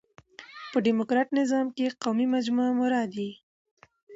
په ډيموکراټ نظام کښي قومي مجموعه مراد يي.